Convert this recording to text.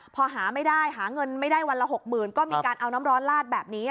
พอหาไม่ได้หาเงินไม่ได้วันละ๖๐๐๐ก็มีการเอาน้ำร้อนลาดแบบนี้